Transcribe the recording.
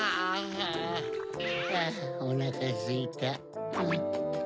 あぁおなかすいた。